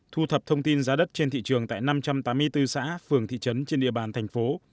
thu thập thông tin giá đất trên thị trường tại năm trăm tám mươi bốn xã phường thị trấn trên địa bàn thành phố